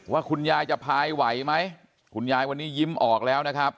ว่าคุณยายจะพายไหวไหมคุณยายวันนี้ยิ้มออกแล้วนะครับ